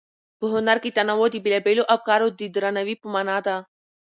په هنر کې تنوع د بېلابېلو افکارو د درناوي په مانا ده.